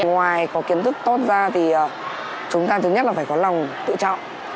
ngoài có kiến thức tốt ra thì chúng ta thứ nhất là phải có lòng tự trọng